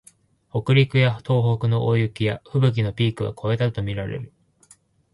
北陸や東北の大雪やふぶきのピークは越えたとみられる